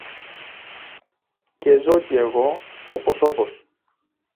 και ζω κι εγώ όπως όπως